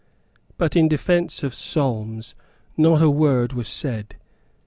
But in defence of Solmes not a word was said.